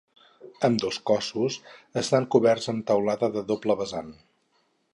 Ambdós cossos estan coberts amb teulada a doble vessant.